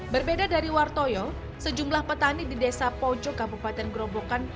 berbeda dari wartoyo sejumlah petani di desa pojok kabupaten gerobokan